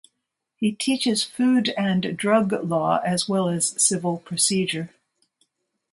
He teaches food and drug law as well as civil procedure.